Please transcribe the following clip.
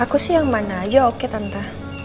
aku sih yang mana aja oke tante